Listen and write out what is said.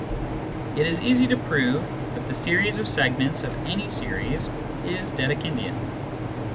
It is easy to prove that the series of segments of any series is Dedekindian.